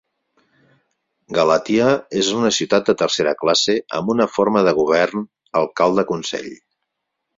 Galatia és una ciutat de tercera classe amb una forma de govern alcalde-consell.